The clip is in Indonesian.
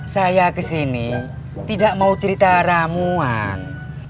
saya kesini tidak mau cerita ramuan